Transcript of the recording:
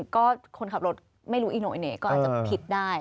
ก็คนขับรถไม่รู้อีโน่อีเหน่ก็อาจจะผิดได้